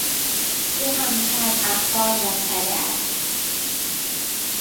او همیشه از اخبار مطلع است.